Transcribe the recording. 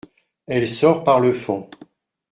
Elle sort par le fond.